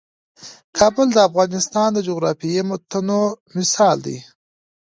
کابل د افغانستان د جغرافیوي تنوع مثال دی.